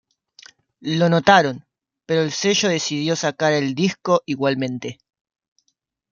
Lo notaron, pero el sello decidió sacar el disco igualmente.